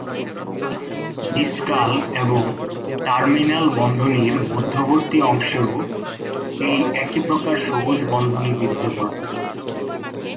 ডিসকাল এবং টার্মিনাল বন্ধনীর মধ্যবর্তী অংশেও এই একই প্রকার সবুজ বন্ধনী বিদ্যমান।